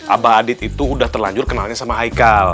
abah adit itu udah terlanjur kenalnya sama aikal